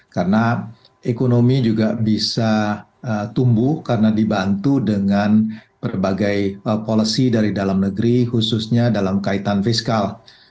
karena ekonomi juga bisa tumbuh karena dibantu dengan berbagai policy dari dalam negeri khususnya dalam kaitan fiskal